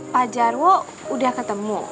pak jarwo udah ketemu